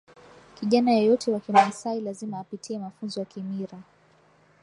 kijana yeyote wa kimaasai lazima apitie mafunzo ya kimira